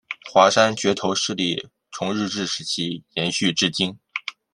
华山角头势力从日治时期延续至今。